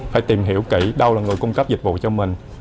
phải tìm hiểu kỹ đâu là người cung cấp dịch vụ cho mình